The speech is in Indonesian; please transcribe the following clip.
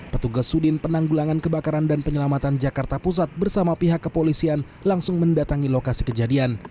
petugas sudin penanggulangan kebakaran dan penyelamatan jakarta pusat bersama pihak kepolisian langsung mendatangi lokasi kejadian